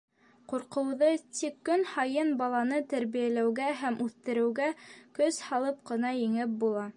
Ҡурҡыуҙы тик көн һайын баланы тәрбиәләүгә һәм үҫтереүгә көс һалып ҡына еңеп була.